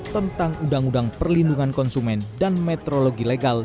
tentang undang undang perlindungan konsumen dan meteorologi legal